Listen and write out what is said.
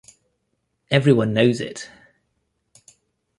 Everyone knows it...